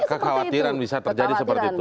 kekhawatiran bisa terjadi seperti itu